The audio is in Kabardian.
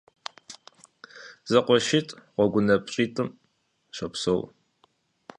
ЗэкъуэшитӀ гъуэгунапщӀитӀым щопсэу.